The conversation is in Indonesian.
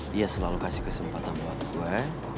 dia selalu kasih kesempatan buat gue